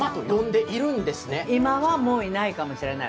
今はもういないかもしれない。